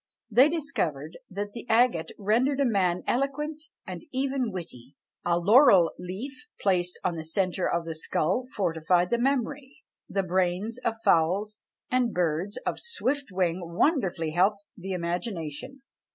They discovered that the agate rendered a man eloquent and even witty; a laurel leaf placed on the centre of the skull fortified the memory; the brains of fowls and birds of swift wing wonderfully helped the imagination.